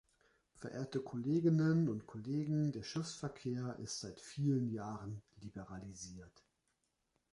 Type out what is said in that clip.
Verehrte Kolleginnen und Kollegen, der Schiffsverkehr ist seit vielen Jahren liberalisiert.